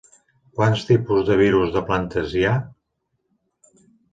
Quants tipus de virus de plantes hi ha?